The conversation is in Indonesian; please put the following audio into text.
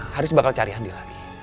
haris bakal cari andi lagi